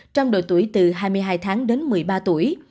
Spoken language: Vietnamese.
trong độ tuổi từ hai mươi hai tháng đến một mươi ba tuổi